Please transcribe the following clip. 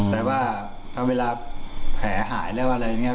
แต่ว่าเวลาแผลหายแล้วอะไร